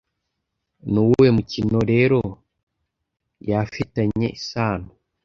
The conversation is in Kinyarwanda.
Nuwuhe mukino Leroy afitanye isano